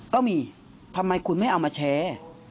ก็มีทำไมคุณไม่เอามาแชร์